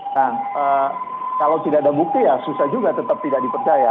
nah kalau tidak ada bukti ya susah juga tetap tidak dipercaya